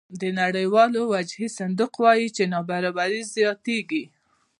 د نړیوال وجهي صندوق وایي چې نابرابري زیاتېږي